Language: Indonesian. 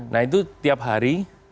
nah itu tiap hari